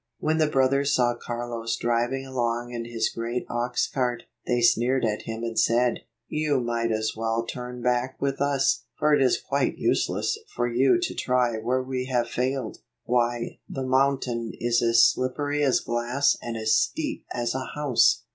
When the brothers saw Carlos driving along in his great ox cart, they sneered at him and said, "You might just as well turn back with us, for it is quite useless for you to try where we have failed. Why, the mountain is as slippery as glass and as steep as a house."